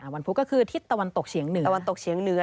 วันพุธก็คือทิศตะวันตกเฉียงเหนือ